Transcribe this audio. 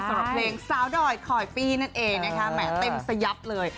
สำหรับเพลงสาวดอยคอยปี้นั่นเองนะคะแหมเต็มสยับเลย